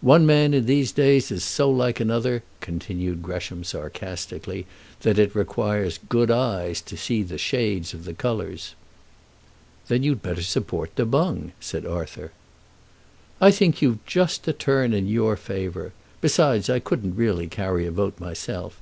"One man in these days is so like another," continued Gresham sarcastically, "that it requires good eyes to see the shades of the colours." "Then you'd better support Du Boung," said Arthur. "I think you've just a turn in your favour. Besides, I couldn't really carry a vote myself.